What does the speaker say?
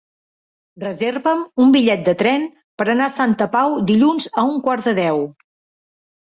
Reserva'm un bitllet de tren per anar a Santa Pau dilluns a un quart de deu.